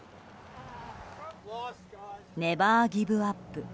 ネバーギブアップ。